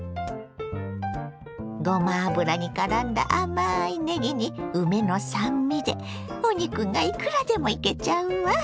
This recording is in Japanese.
ごま油にからんだ甘いねぎに梅の酸味でお肉がいくらでもいけちゃうわ。